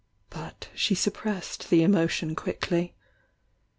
But she suppressed the emotion quick ly.